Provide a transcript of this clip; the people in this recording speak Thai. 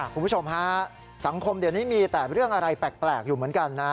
คุณผู้ชมฮะสังคมเดี๋ยวนี้มีแต่เรื่องอะไรแปลกอยู่เหมือนกันนะ